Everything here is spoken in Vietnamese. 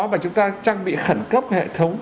và chúng ta trang bị khẩn cấp hệ thống